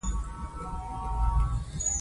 پوهنتون د علمي او مسلکي پرمختګ لپاره ضروري دی.